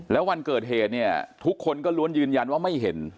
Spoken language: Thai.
แล้ววันเกิดเหตุเนี่ยทุกคนก็ล้วนยืนยันว่าไม่เห็น